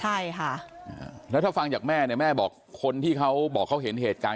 ใช่ค่ะแล้วถ้าฟังจากแม่เนี่ยแม่บอกคนที่เขาบอกเขาเห็นเหตุการณ์